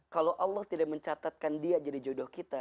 kalau allah tidak mencatatkan dia jadi jodoh kita